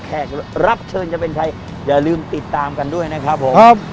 แขกรับเชิญจะเป็นใครอย่าลืมติดตามกันด้วยนะครับผม